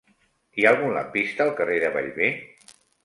Hi ha algun lampista al carrer de Bellver?